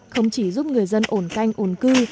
không chỉ giúp người dân ổn canh ổn cư